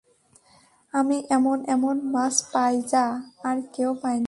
আমি এমন এমন মাছ পাই যা আর কেউ পায় না।